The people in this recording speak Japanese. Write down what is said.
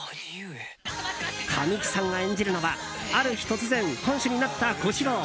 神木さんが演じるのはある日突然、藩主になった小四郎。